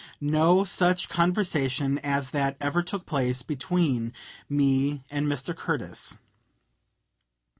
No such conversation as that ever took place between me and Mr. Curtis.